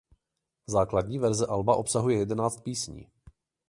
Základní verze alba obsahuje jedenáct písní.